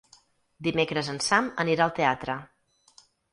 Dimecres en Sam anirà al teatre.